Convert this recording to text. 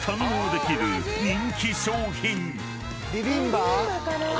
ビビンバ？